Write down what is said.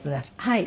はい。